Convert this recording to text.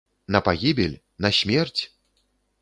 На пагібель, на смерць?